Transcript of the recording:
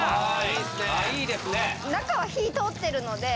中は火通ってるので。